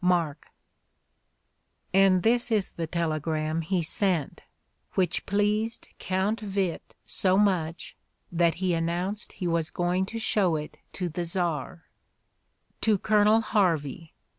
Mark. And this is the telegram he sent, which pleased Count "Witte so much that he announced he was going to show it to the Czar : To Colonel Harvey.